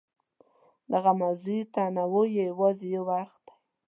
دغه موضوعي تنوع یې یوازې یو اړخ دی.